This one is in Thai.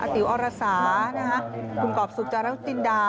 ติ๋วอรสาคุณกรอบสุจารุจินดา